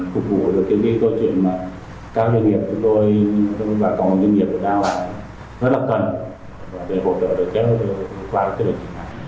phục vụ được những câu chuyện cao doanh nghiệp của tôi và cộng doanh nghiệp của tao là rất là cần để hỗ trợ được kéo qua được